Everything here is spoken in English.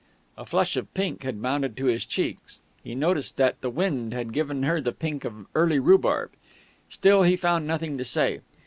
A flush of pink had mounted to his cheeks. He noticed that the wind had given her the pink of early rhubarb. Still he found nothing to say.